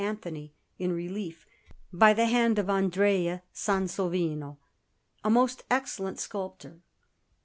Anthony in relief by the hand of Andrea Sansovino, a most excellent sculptor.